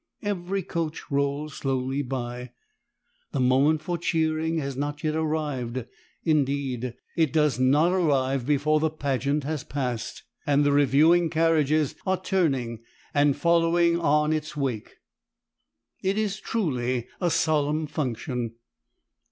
Every coach rolls slowly by. The moment for cheering has not yet arrived. Indeed, it does not arrive before the pageant has passed, and the reviewing carriages are turning and following on in its wake. It is truly a solemn function.